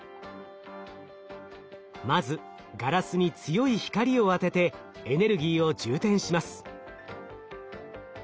まずガラスに強い光を当ててエネルギーを充填します。